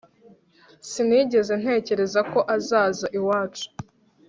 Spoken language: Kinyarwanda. Sinigeze ntekereza ko azaza iwacu